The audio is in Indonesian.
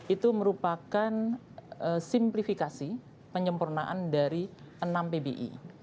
itu merupakan simplifikasi penyempurnaan dari enam pbi